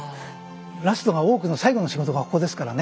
ラストが大奧の最後の仕事がここですからね。